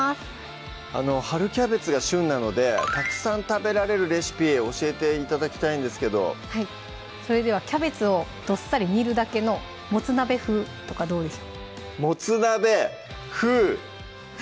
春キャベツが旬なのでたくさん食べられるレシピ教えて頂きたいんですけどはいそれではキャベツをどっさり煮るだけの「もつ鍋風」とかどうでしょう「もつ鍋風」！